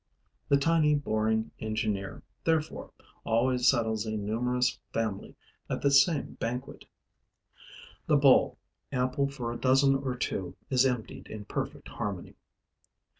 The tiny boring engineer, therefore, always settles a numerous family at the same banquet. The bowl, ample for a dozen or two, is emptied in perfect harmony.